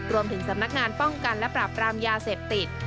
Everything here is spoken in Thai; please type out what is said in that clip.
รวมถึงสำนักงานป้องกันและปราบรามยาเสพติด